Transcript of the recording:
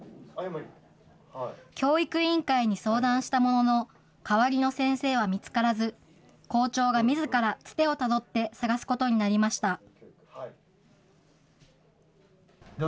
教育委員会に相談したものの、代わりの先生は見つからず、校長がみずからツテをたどって、探すことになりました。